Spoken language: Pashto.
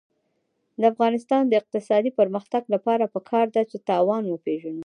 د افغانستان د اقتصادي پرمختګ لپاره پکار ده چې تاوان وپېژنو.